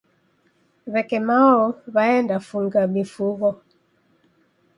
W'eke mao w'aenda funga mifugho